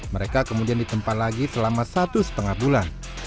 mereka kemudian ditempat lagi selama satu setengah bulan